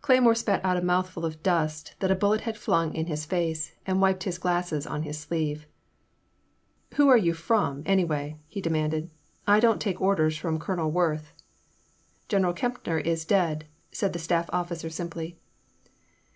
Cle3rmore spat out a mouthful of dust that a 202 In the Name of the Most High. bullet had flung in his face, and wiped his glasses on his sleeve. Who are you from, anyway ?" he demanded. I don't take orders from Colonel Worth.'* ''General Kempner is dead/' said the staff officer simply.